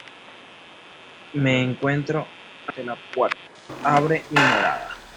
Me encuentro ante la puerta: abre, mi morada!